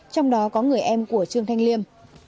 trong đó có người em của trương thành liêm